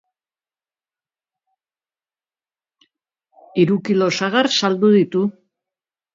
Hiru kilo sagar saldu ditu.